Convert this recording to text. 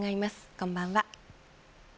こんばんは。